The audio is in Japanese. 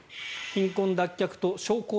貧困脱却と小康